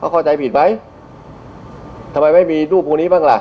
เข้าใจผิดไหมทำไมไม่มีรูปคนนี้บ้างล่ะ